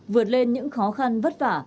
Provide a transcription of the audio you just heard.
vượt lên những khó khăn vất vả